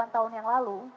delapan tahun yang lalu